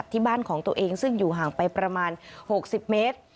ที่บ้านของตัวเองซึ่งอยู่ห่างไปประมาณ๖๐เมตร